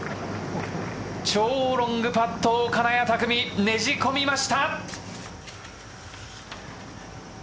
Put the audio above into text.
超ロングパットを金谷拓実、ねじ込みました。